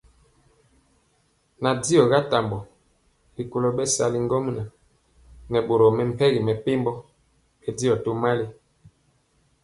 Nandiɔ ga tambɔ rikolo bɛsali ŋgomnaŋ nɛ boro mepempɔ mɛmpegi bɛndiɔ tomali.